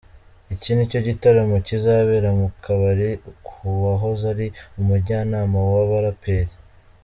Iki nicyo gitaramo kizabera mu kabari kuwahoze ari umujyanama w'aba baraperi.